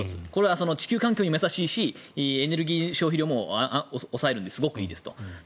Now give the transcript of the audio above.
地球環境にも優しいしエネルギー消費量も抑えるのですごくいいですと。